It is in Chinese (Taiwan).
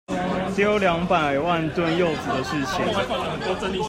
丟兩百萬噸柚子的事情